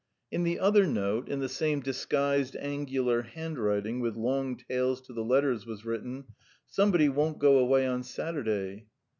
In the other note, in the same disguised angular handwriting with long tails to the letters, was written: "Somebody won't go away on Saturday."